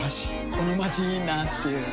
このまちいいなぁっていう